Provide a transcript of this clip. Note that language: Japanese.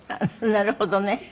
なるほどね。